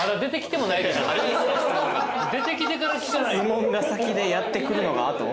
質問が先でやって来るのが後？